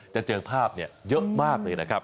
จะเจอภาพเยอะมากเลยนะครับ